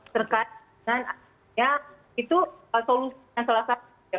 terkat dengan itu solusinya salah satu